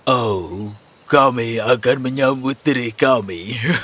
oh kami akan menyambut diri kami